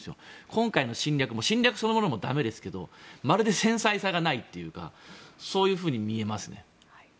今回の侵略も侵略そのものも駄目ですがまるで繊細さがないというかそういうふうに見えますね。